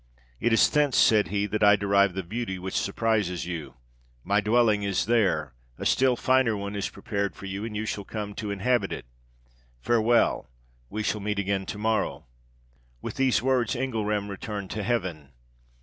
'It is thence,' said he, 'that I derive the beauty which surprises you. My dwelling is there; a still finer one is prepared for you, and you shall soon come to inhabit it. Farewell! we shall meet again to morrow.' With these words Engelram returned to heaven.